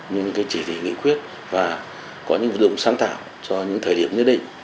những chỉ thị nghị quyết và có những vụ sáng tạo cho những thời điểm nhất định